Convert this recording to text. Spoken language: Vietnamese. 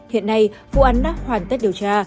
hiện nay vụ án đã hoàn tất điều tra